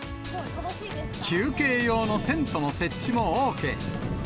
休憩用のテントの設置もＯＫ。